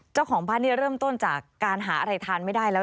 เจ้าของบ้านเริ่มต้นจากการหาอะไรทานไม่ได้แล้ว